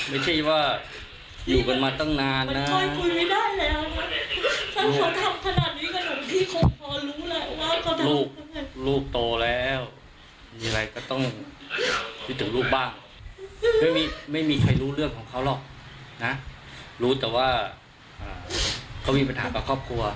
ไม่มีใครรู้เรื่องของเขาหรอกนะรู้แต่ว่าเขาวิ่งประทานกับครอบครัว